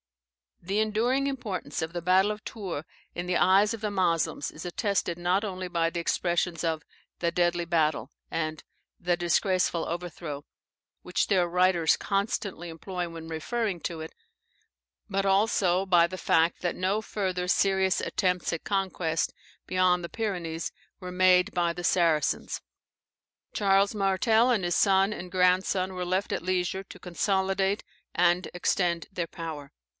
The enduring importance of the battle of Tours in the eyes of the Moslems, is attested not only by the expressions of "the deadly battle," and "the disgraceful overthrow," which their writers constantly employ when referring to it, but also by the fact that no further serious attempts at conquest beyond the Pyrenees were made by the Saracens. Charles Martel, and his son and grandson, were left at leisure to consolidate and extend their power.